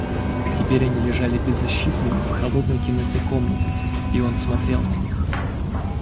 Теперь они лежали беззащитными в холодной темноте комнаты, и он смотрел на них.